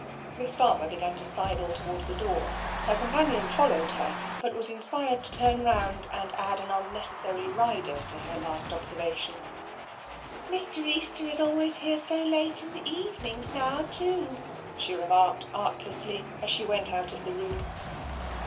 Miss Farmer began to sidle towards the door. Her companion followed her, but was inspired to turn round and add an unnecessary rider to her last observa tion. " Mr. Easter is always here so late in the evenings now, too," she remarked artlessly, as she went out of the room.